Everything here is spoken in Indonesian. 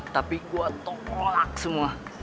tapi gue tolak semua